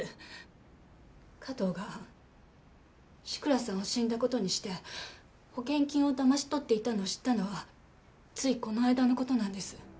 加藤が志倉さんを死んだ事にして保険金をだまし取っていたのを知ったのはついこの間の事なんです。